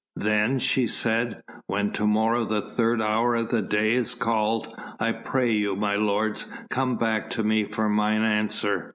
"Then," she said, "when to morrow the third hour of the day is called, I pray you, my lords, come back to me for mine answer.